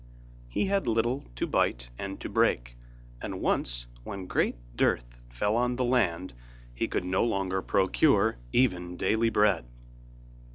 He had little to bite and to break, and once when great dearth fell on the land, he could no longer procure even daily bread.